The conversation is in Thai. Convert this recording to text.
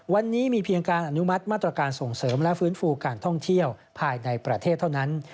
วันนี้มีเพียงการอนุมัติมาตรการส่งเสริมและฟื้นฟูการท่องเที่ยวภายในประเทศเท่านั้น